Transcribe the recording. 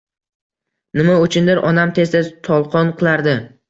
Nima uchundir onam tez-tez tolqon qilardi.